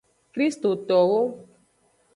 Kristitowo.